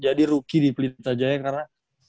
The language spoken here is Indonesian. jadi rookie di blit aja ya karena